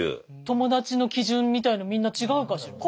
友達の基準みたいのみんな違うかしらね。